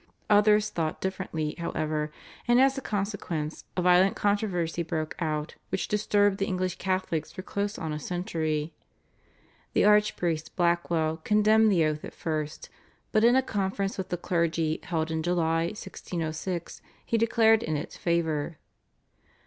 Others thought differently, however, and as a consequence a violent controversy broke out which disturbed the England Catholics for close on a century. The archpriest Blackwell condemned the oath at first, but in a conference with the clergy held in July 1606 he declared in its favour.